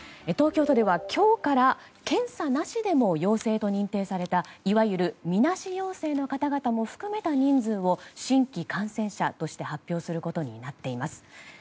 東京都では、今日から検査なしでも陽性と認定されたいわゆるみなし陽性の方々も含めた人数も新規感染者として発表することになっています。